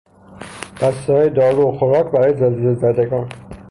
بستههای دارو و خوراک برای زلزله زدگان